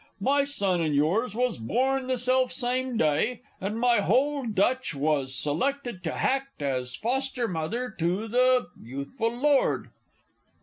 My son and yours was born the selfsame day, and my hold dutch was selected to hact as foster mother to the youthful lord.